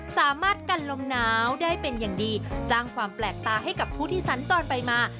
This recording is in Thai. สามารถกันลมหนาวได้เป็นอย่างดีสร้างความแปลกตาให้กับผู้ที่สัญจรไปมา